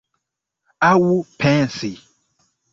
Aŭ pensi.